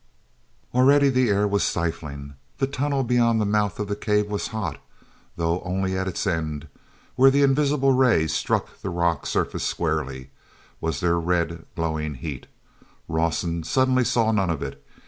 lready the air was stifling. The tunnel beyond the mouth of the cave was hot, though only at its end, where the invisible ray struck the rock surface squarely, was there red, glowing heat. Rawson suddenly saw none of it.